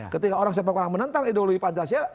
ketika orang orang menentang ideologi pancasila